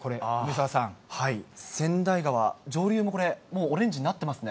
川内川、上流もこれ、もうオレンジになっていますね。